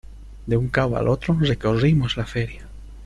de un cabo al otro recorrimos la feria.